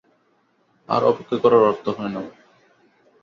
আর অপেক্ষা করার অর্থ হয় না।